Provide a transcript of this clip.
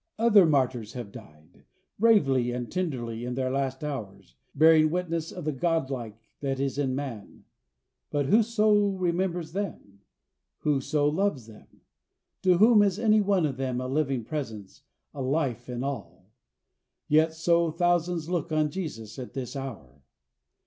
Other martyrs have died, bravely and tenderly, in their last hours "bearing witness of the godlike" that is in man; but who so remembers them? Who so loves them? To whom is any one of them a living presence, a life, an all? Yet so thousands look on Jesus at this hour.